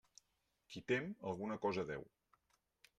Qui tem, alguna cosa deu.